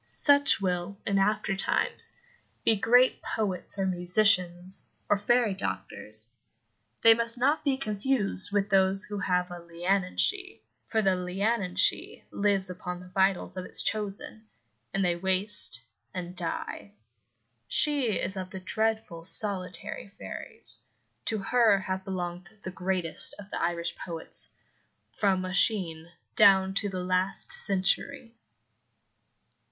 Such will, in after times, be great poets or musicians, or fairy doctors; they must not be confused with those who have a Lianhaun shee [leannán sidhe], for the Lianhaun shee lives upon the vitals of its chosen, and they waste and die. She is of the dreadful solitary fairies. To her have belonged the greatest of the Irish poets, from Oisin down to the last century.